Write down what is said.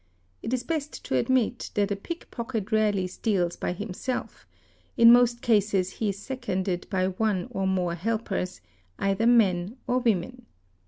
It is best to admit that a pickpocket rarely steals by himself; in most cases he is seconded by one or more helpers, either men or women.